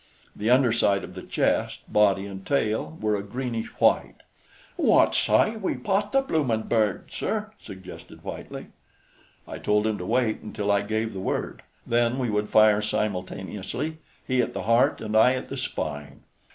The underside of the chest, body and tail were a greenish white. "Wot s'y we pot the bloomin' bird, sir?" suggested Whitely. I told him to wait until I gave the word; then we would fire simultaneously, he at the heart and I at the spine.